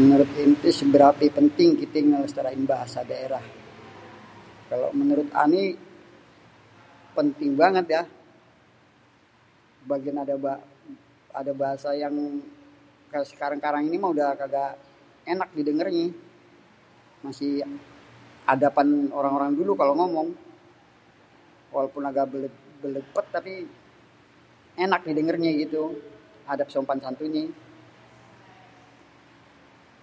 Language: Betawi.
"""Menurut enté seberape penting kité ngelestariin bahasa daerah?"", kalo menurut ané penting banget ya, bagén ada bahasa yang kaya sekarang-sekarang ini udeh kaga enak didengernyé, masih adepan orang-orang dulu kalo ngomong. Walaupun agak bletet tapi enak didengernye gitu adab sopan santunnya."